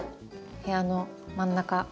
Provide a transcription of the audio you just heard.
部屋の真ん中。